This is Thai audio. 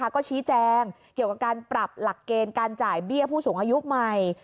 ก็ชี้แจงเกี่ยวกับการปรับหลักเกณฑ์การจ่ายเบี้ยผู้สูงอายุใหม่